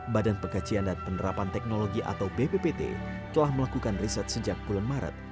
badan pengkajian dan penerapan teknologi atau bppt telah melakukan riset sejak bulan maret